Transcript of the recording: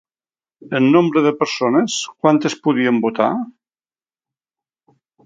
En nombre de persones, quantes podien votar?